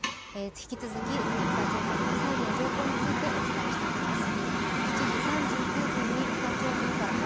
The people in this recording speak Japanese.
引き続きこの北朝鮮のミサイルの情報についてお伝えしていきます。